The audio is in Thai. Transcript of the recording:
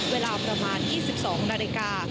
เวลาประมาณ๒๒นาฬิกา